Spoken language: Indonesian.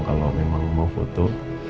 kalau memang mau foto